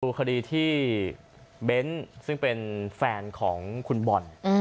คดีที่เบ้นซึ่งเป็นแฟนของคุณบอล